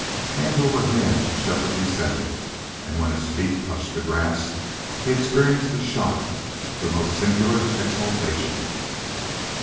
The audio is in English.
Hand over hand Shefford descended, and when his feet touched the grass he experienced a shock of the most singular exultation.